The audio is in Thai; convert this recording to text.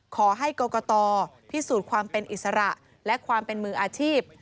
ขอให้กรกตพิสูจน์ความเป็นอิสระและความเป็นมืออาชีพ